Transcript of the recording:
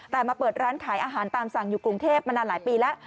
แต่มาเปิดร้านขายอาหารตามสั่งอยู่กรุงเทพมานานหลายปีแล้ว